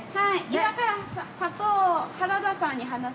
今から砂糖原田さんに話を。